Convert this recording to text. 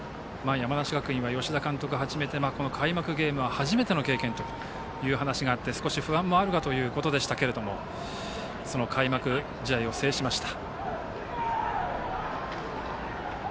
山梨学院は吉田監督が開幕ゲームは初めての経験という話があって少し不安はあるがという話がありましたけれども開幕試合を制しました。